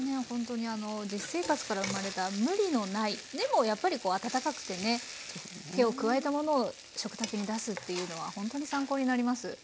ほんとにあの実生活から生まれた無理のないでもやっぱりこう温かくてね手を加えたものを食卓に出すっていうのはほんとに参考になります。